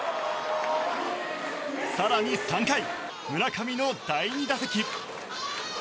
更に３回、村上の第２打席。